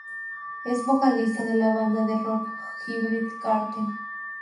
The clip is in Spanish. Es vocalista de la banda de rock "Hybrid Cartel".